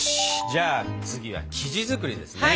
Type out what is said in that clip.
じゃあ次は生地作りですね？